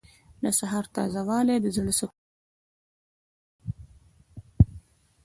• د سهار تازه والی د زړه سکون ورکوي.